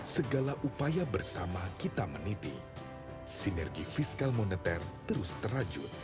segala upaya bersama kita meniti sinergi fiskal moneter terus terajut